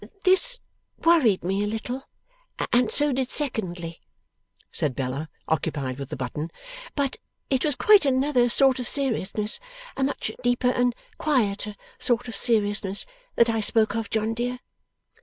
'This worried me a little, and so did Secondly,' said Bella, occupied with the button, 'but it was quite another sort of seriousness a much deeper and quieter sort of seriousness that I spoke of John dear.